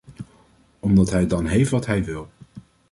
Omdat hij dan heeft wat hij wil.